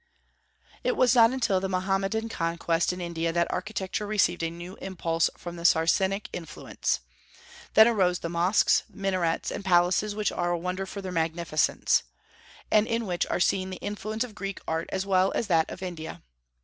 It was not until the Mohammedan conquest in India that architecture received a new impulse from the Saracenic influence. Then arose the mosques, minarets, and palaces which are a wonder for their magnificence, and in which are seen the influence of Greek art as well as that of India.